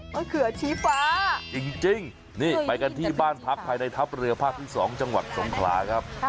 เขือชี้ฟ้าจริงนี่ไปกันที่บ้านพักภายในทัพเรือภาคที่๒จังหวัดสงขลาครับ